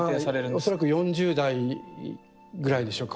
恐らく４０代ぐらいでしょうか。